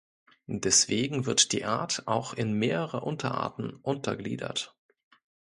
Deswegen wird die Art auch in mehrere Unterarten untergliedert.